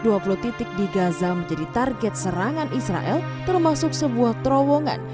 di dua puluh titik di gaza menjadi target serangan israel termasuk sebuah terowongan